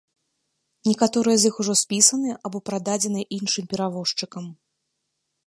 Некаторыя з іх ужо спісаныя або прададзеныя іншым перавозчыкам.